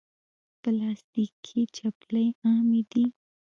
پلاستيکي چپلی عامې دي.